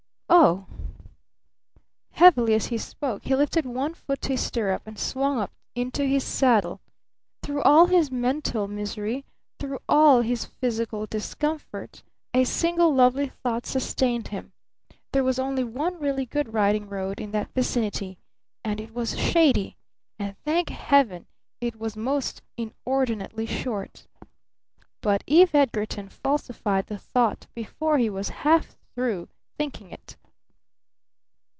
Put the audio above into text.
"O h!" Heavily, as he spoke, he lifted one foot to his stirrup and swung up into his saddle. Through all his mental misery, through all his physical discomfort, a single lovely thought sustained him. There was only one really good riding road in that vicinity! And it was shady! And, thank Heaven, it was most inordinately short! But Eve Edgarton falsified the thought before he was half through thinking it.